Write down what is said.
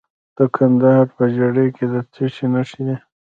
د کندهار په ژیړۍ کې د څه شي نښې دي؟